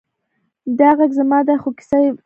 دا غږ زما دی، خو کیسه زموږ ده.